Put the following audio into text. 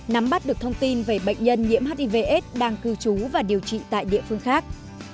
nắm bắt được thông tin về bệnh nhân nhiễm hivs đang cư trú và điều trị tại địa phương khác